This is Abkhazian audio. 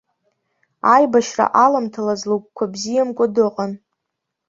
Аибашьра аламҭалаз лыгәқәа бзиамкәа дыҟан.